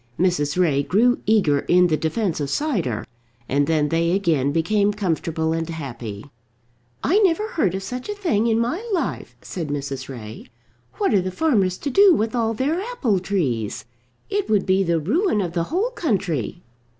Mrs. Ray grew eager in the defence of cider, and then they again became comfortable and happy. "I never heard of such a thing in my life," said Mrs. Ray. "What are the farmers to do with all their apple trees? It would be the ruin of the whole country."